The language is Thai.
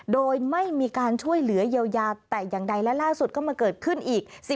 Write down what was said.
โดยไม่มีการช่วยเหลือเยียวยาแต่อย่างใดและล่าสุดก็มาเกิดขึ้นอีก